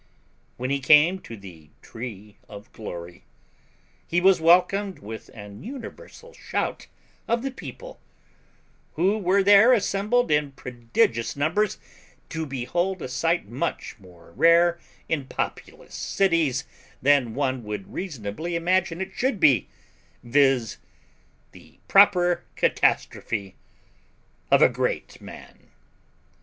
When he came to the tree of glory, he was welcomed with an universal shout of the people, who were there assembled in prodigious numbers to behold a sight much more rare in populous cities than one would reasonably imagine it should be, viz., the proper catastrophe of a great man.